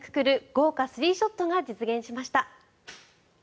豪華スリーショットが実現しました。